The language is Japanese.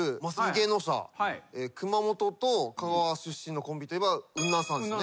熊本と香川出身のコンビといえばウンナンさんですね。